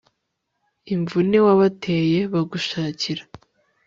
imvune wabateye bagushakira